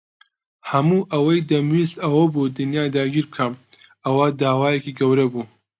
هەموو ئەوەی دەمویست ئەوە بوو دنیا داگیر بکەم. ئەوە داوایەکی گەورە بوو؟